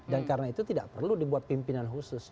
dan karena itu tidak perlu dibuat pimpinan khusus